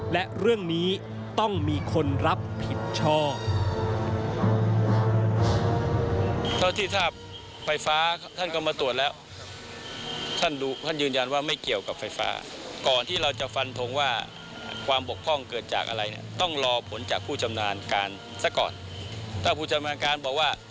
และเรื่องนี้ต้องมีคนรับผิดชอบ